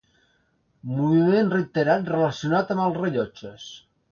Moviment reiterat relacionat amb els rellotges.